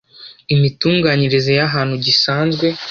imitunganyirize y ahantu gisanzwe